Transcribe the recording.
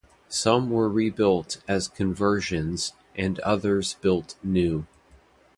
Some were rebuilt as conversions and others built new.